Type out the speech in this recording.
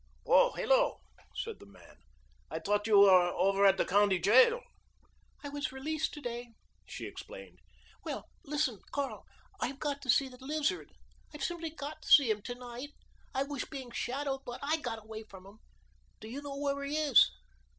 "Oh, hello!" said the man. "I thought you were over at the county jail." "I was released to day," she explained. "Well, listen, Carl; I've got to see the Lizard. I've simply got to see him to night. I was being shadowed, but I got away from them. Do you know where he is?"